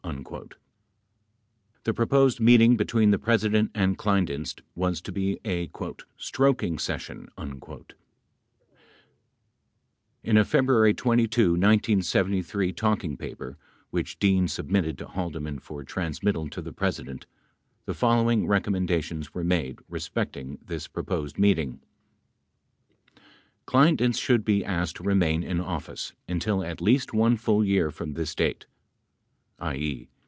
28 The proposed meet ing between the President and Kleindienst was to be a "stroking ses sion." In a February 22, 1973, talking paper which Dean submitted to Haldeman for transmittal to the President the following recom mendations were made respecting this proposed meeting: Kleindienst should be asked to remain in office until at least one full year from this date (i.e.